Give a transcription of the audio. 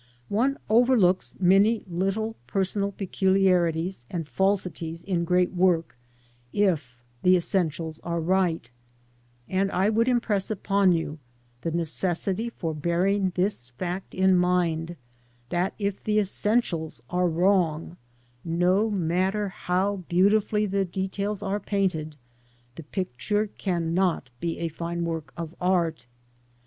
One overlooks many little personal peculiarities and falsities in great work if the essentials are right, and I would impress upon you the necessity for bearing this fact in mind, that if the essentials are wrong, no matter how beautifully the details are painted, the picture cannot be a fine work of art.